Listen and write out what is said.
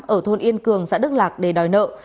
ở thôn yên cường xã đức lạc để đòi nợ